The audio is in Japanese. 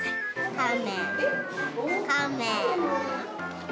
カメ。